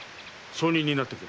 証人になってくれ。